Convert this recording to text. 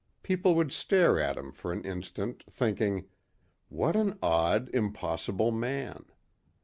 People would stare at him for an instant thinking, "What an odd, impossible man."